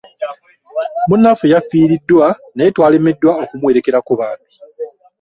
Munnaffe yafiiriddwa naye twalemeddwa okumuwerekerako bambi.